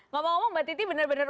ngomong ngomong mbak titi benar benar